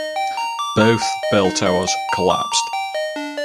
Both bell towers collapsed.